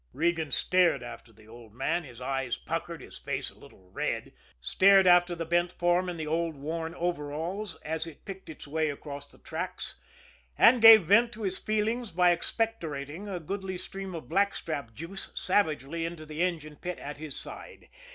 Regan stared after the old man, his eyes puckered, his face a little red; stared after the bent form in the old worn overalls as it picked its way across the tracks and gave vent to his feelings by expectorating a goodly stream of blackstrap juice savagely into the engine pit at his side.